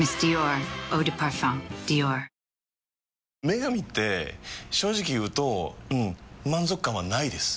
「麺神」って正直言うとうん満足感はないです。